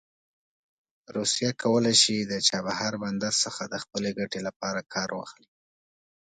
روسیه کولی شي د چابهار بندر څخه د خپلې ګټې لپاره کار واخلي.